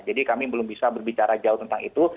jadi kami belum bisa berbicara jauh tentang itu